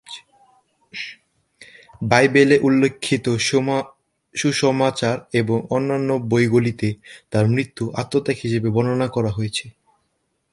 বাইবেলে উল্লেখিত সুসমাচার এবং অন্যান্য বইগুলিতে তাঁর মৃত্যু আত্মত্যাগ হিসেবে বর্ণনা করা হয়েছে।